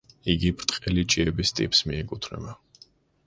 იგი ბრტყელი ჭიების ტიპს მიეკუთვნება.